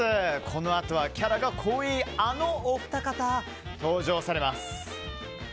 このあとはキャラが濃いあのお二人、登場されます。